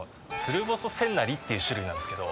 蔓細千成っていう種類なんですけど。